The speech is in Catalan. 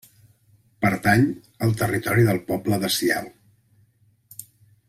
Pertany al territori del poble de Siall.